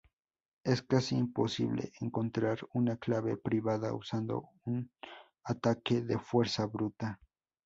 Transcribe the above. Es casi imposible encontrar una clave privada usando un ataque de fuerza bruta.